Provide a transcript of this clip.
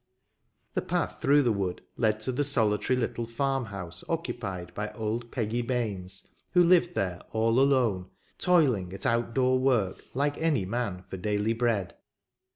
The path through the wood led to the soli tary little farm house occupied by old Peggy Baines, who lived there all alone, toiling at out door work like any man for daily bread.